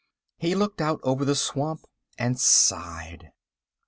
He looked out over the swamp and sighed.